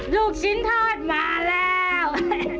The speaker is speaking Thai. ลูกชิ้นทอดมาแล้ว